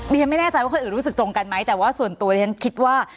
ฉันไม่แน่ใจว่าคนอื่นรู้สึกตรงกันไหมแต่ว่าส่วนตัวฉันคิดว่า